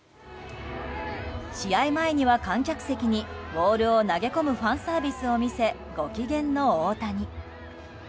試合前には、観客席にボールを投げ込むファンサービスを見せご機嫌の大谷。